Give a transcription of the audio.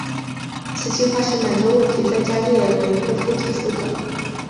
此计划是满洲问题专家列维托夫提出的。